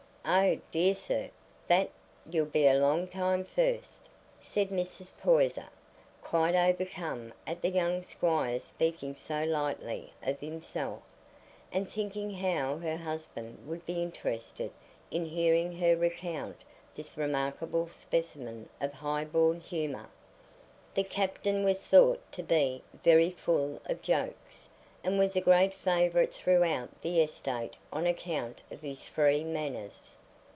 "Oh dear, sir, that 'ull be a long time first," said Mrs. Poyser, quite overcome at the young squire's speaking so lightly of himself, and thinking how her husband would be interested in hearing her recount this remarkable specimen of high born humour. The captain was thought to be "very full of his jokes," and was a great favourite throughout the estate on account of his free manners.